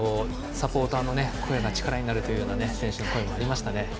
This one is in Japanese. サポーターの声が力になるという選手の声もありましたね。